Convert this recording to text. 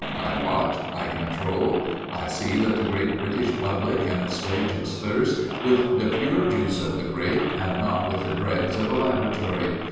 I watch. I control. I see that the Great British Public can assuage its thirst with the pure juice of the grape and not with the dregs of a laboratory.